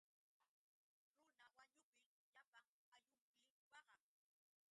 Runa wañuptin llapan ayllunmi waqan.